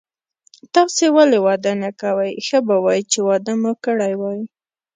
تاسي ولي واده نه کوئ، ښه به وای چي واده مو کړی وای.